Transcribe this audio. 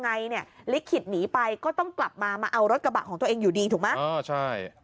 ไงเนี่ยลิขิตหนีไปก็ต้องกลับมามาเอารถกระบะของตัวเองอยู่ดีถูกไหม